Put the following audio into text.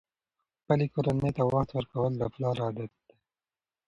خپلې کورنۍ ته وخت ورکول د پلار عادت دی.